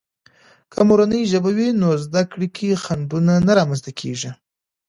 که مورنۍ ژبه وي، نو زده کړې کې خنډونه نه رامنځته کېږي.